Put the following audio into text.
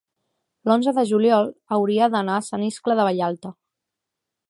l'onze de juliol hauria d'anar a Sant Iscle de Vallalta.